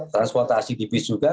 transportasi di pis juga